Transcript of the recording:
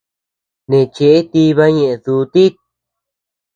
Neʼe cheʼe tiba ñeʼe dutit.